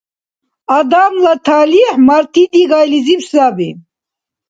Адамла талихӀ марти дигайлизиб саби.